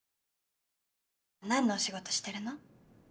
何のお仕事してるの？